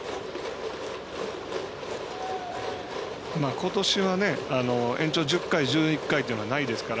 ことしは延長１０回、１１回というのはないですから。